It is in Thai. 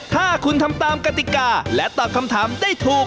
ถ้าคุณทำตามกติกาและตอบคำถามได้ถูก